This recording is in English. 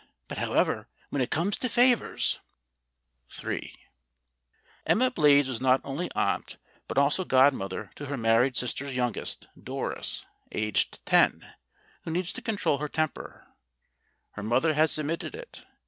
But, however, when it comes to favors " in EMMA BLADES was not only aunt, but also godmother to her married sister's youngest, Doris, aged ten, who needs to control her temper her mother has admitted it.